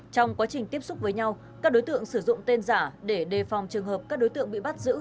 trong quá trình tiếp xúc với nhau các đối tượng sử dụng tên giả để đề phòng trường hợp các đối tượng bị bắt giữ